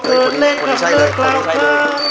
เอาล่ะ